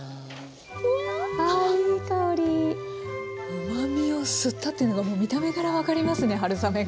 うまみを吸ったっていうのがもう見た目から分かりますね春雨が。